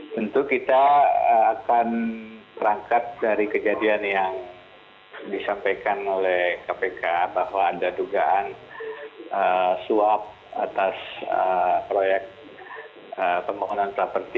tentu kita akan terangkat dari kejadian yang disampaikan oleh kpk bahwa anda dugaan swap atas proyek pemohonan properti